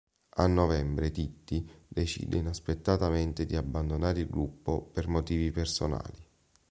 A novembre "Titti" decide inaspettatamente di abbandonare il gruppo per motivi personali.